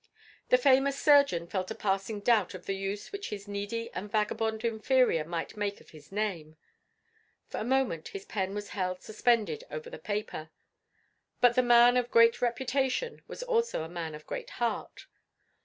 The famous surgeon felt a passing doubt of the use which his needy and vagabond inferior might make of his name. For a moment his pen was held suspended over the paper. But the man of great reputation was also a man of great heart.